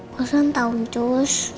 bosan tau cus